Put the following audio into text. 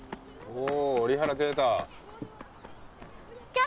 おお。